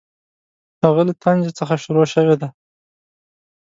هغه له طنجه څخه شروع شوې ده.